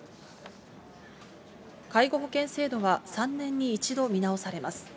介護保険制度は３年に１度見直されます。